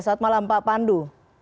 saat malam pak pandu